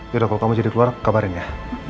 yaudah kalau kamu jadi keluar kabarin ya